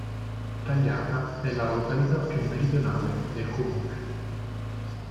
Tagliata è la località più meridionale del comune.